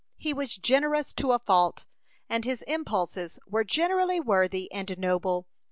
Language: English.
He was generous to a fault, and his impulses were generally worthy and noble.